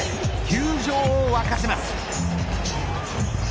球場を沸かせます。